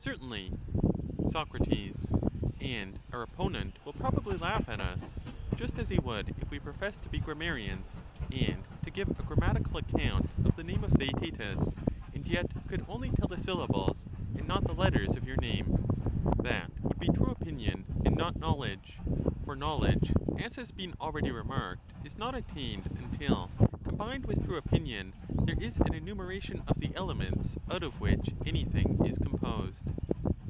Certainly. Soc, And our opponent will probably laugh at us, just as he would if we professed to be grammarians and to give a grammatical account of the name of Theaetetus, and yet could only tell the syllables and not the letters of your name— that would be true opinion, and not knowledge ; for knowledge, as has been already remarked, is not attained until, combined with true opinion, there is an enumeration of the elements out of which anything is composed.